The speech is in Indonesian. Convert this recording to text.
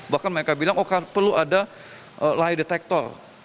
bahkan mereka bilang oh perlu ada lie detector